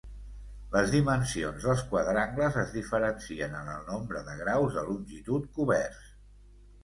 Les dimensions dels quadrangles es diferencien en el nombre de graus de longitud coberts.